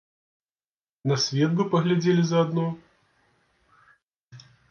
На свет бы паглядзелі заадно?